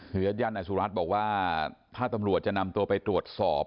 เฮือดยันต์อสุรัสตร์บอกว่าถ้าตำรวจจะนำตัวไปตรวจสอบ